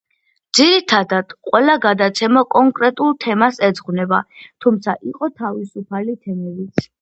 ძირითადად, ყველა გადაცემა კონკრეტულ თემას ეძღვნება, თუმცა იყო თავისუფალი თემებიც.